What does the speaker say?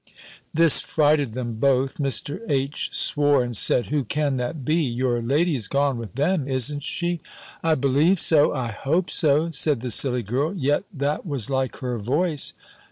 This frighted them both: Mr. H. swore, and said, "Who can that be? Your lady's gone with them, isn't she?" "I believe so! I hope so!" said the silly girl "yet that was like her voice!